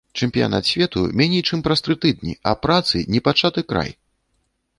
Чэмпіянат свету меней чым праз тры тыдні, а працы непачаты край!